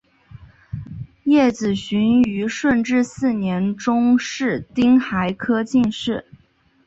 叶子循于顺治四年中式丁亥科进士。